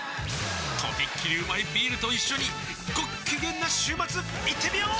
とびっきりうまいビールと一緒にごっきげんな週末いってみよー！